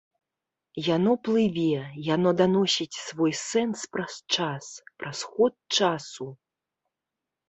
Яно плыве, яно даносіць свой сэнс праз час, праз ход часу.